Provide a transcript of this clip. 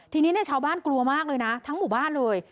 ทีนี้ชาวบ้านกลัวมากเลยนะทั้งหมู่บ้านเลย